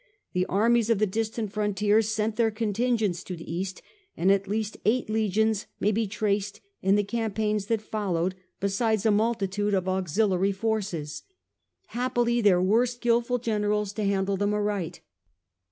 The armies of the distant frontiers sent their contingents to the East, and at least eight legions may be traced in the campaigns that followed, besides a multitude of auxiliary forces. 90 The Age of the Antonines, A.D. Happily there were also skilful generals to handle them aright.